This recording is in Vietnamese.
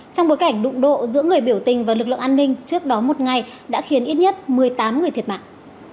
trong bối cảnh đụng độ giữa người biểu tình và lực lượng an ninh trước đó một ngày đã khiến ít nhất một mươi tám người thiệt mạng